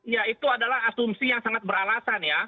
ya itu adalah asumsi yang sangat beralasan ya